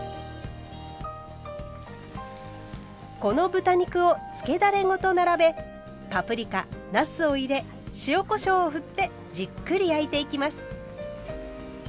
この豚肉を漬けだれごと並べパプリカなすを入れ塩・こしょうを振ってじっくり焼いていきます。